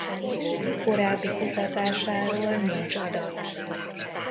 Korábbi kutatásáról nincs adat.